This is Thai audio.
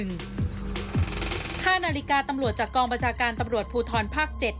๕นาฬิกาตำรวจจากกองบัญชาการตำรวจภูทรภาค๗